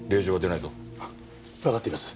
わかっています。